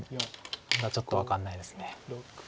まだちょっと分かんないです。